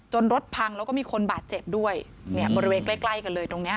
จนรถพังแล้วก็มีคนบาดเจ็บด้วยบริเวณใกล้กันเลยตรงนี้